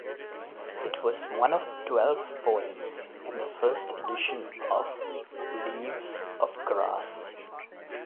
It was one of twelve poems in the first edition of "Leaves of Grass".